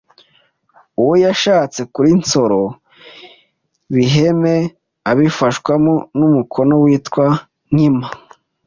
Uwo yashatse kuri Nsoro biheme abifashwamo n’umukono witwa Nkima